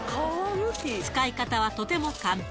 使い方はとても簡単。